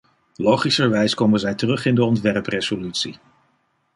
Logischerwijs komen zij terug in de ontwerpresolutie.